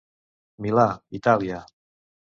Milà, Itàlia.